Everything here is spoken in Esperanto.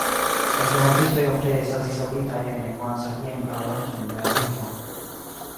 Esperantistoj ofte estas izolitaj kaj ne konas aliajn parolantojn de la lingvo.